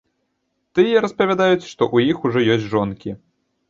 Тыя распавядаюць, што ў іх ўжо ёсць жонкі.